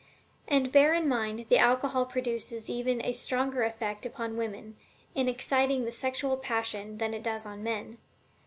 And bear in mind that alcohol produces even a stronger effect upon women, in exciting the sexual passion, than it does on men.